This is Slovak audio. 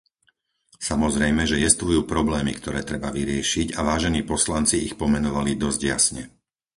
Samozrejme, že jestvujú problémy, ktoré treba vyriešiť a vážení poslanci ich pomenovali dosť jasne.